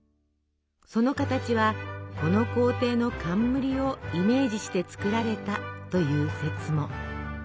その形はこの皇帝の冠をイメージして作られたという説も。